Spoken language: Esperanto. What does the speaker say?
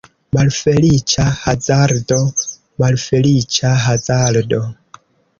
Malfeliĉa hazardo, malfeliĉa hazardo!